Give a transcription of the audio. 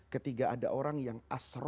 ketika ada orang yang